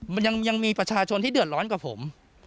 มันยังมีประชาชนที่เดือดร้อนกว่าผม